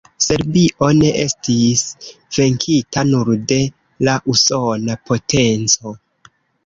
Serbio ne estis venkita nur de la usona potenco.